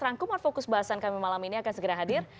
rangkuman fokus bahasan kami malam ini akan segera hadir